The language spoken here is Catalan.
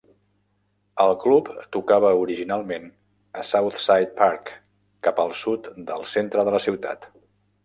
El club tocava originalment a South Side Park, cap al sud del centre de la ciutat.